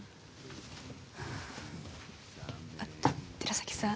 あっ寺崎さん